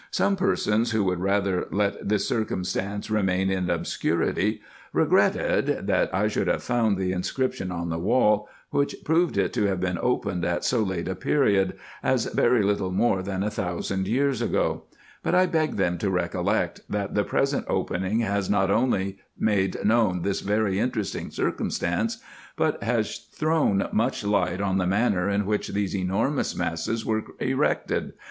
Some persons, who would rather let this cir cumstance remain in obscurity, regretted, that I should have found the inscription on the wall, which proved it to have been opened at so late a period, as very little more than a thousand years ago ; but I beg them to recollect, that the present opening has not only made known this very interesting circumstance, but has thrown much light on the manner in which these enormous masses were erected?